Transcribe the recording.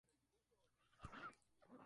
¡ Obtuvimos premios! ¡ oh, yeah!